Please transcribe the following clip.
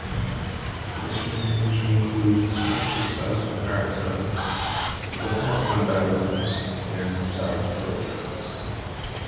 The range includes much of South America, the Falkland Islands and South Georgia.